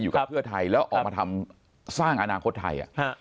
กับเพื่อไทยแล้วออกมาทำสร้างอนาคตไทย